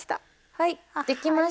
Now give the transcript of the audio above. はいできました。